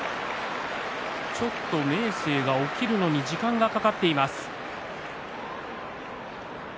ちょっと明生が起きるのに時間がかかっています。